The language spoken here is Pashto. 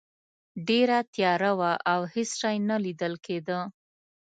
ډیره تیاره وه او هیڅ شی نه لیدل کیده.